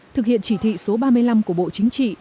thực hiện chỉ thị số ba mươi năm của bộ chính trị